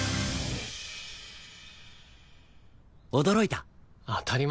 驚いた？